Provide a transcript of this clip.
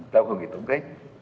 tạo hội nghị tổng kết